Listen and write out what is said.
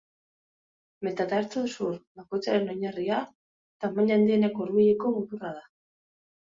Metatartso-hezur bakoitzaren oinarria, tamaina handieneko hurbileko muturra da.